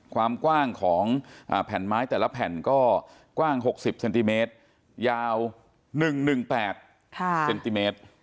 ความกว้างของแผ่นไม้แต่ละแผ่นก็กว้าง๖๐เซนติเมตรยาว๑๑๘เซนติเมตร